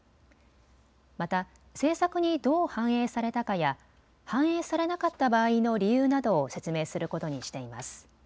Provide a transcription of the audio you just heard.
また、政策にどう反映されたかや反映されなかった場合の理由などを説明することにしています。